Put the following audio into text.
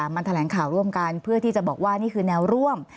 มาแถลงข่าวร่วมกันเพื่อที่จะบอกว่านี่คือแนวร่วม